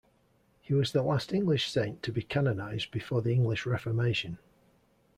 He was the last English saint to be canonised before the English Reformation.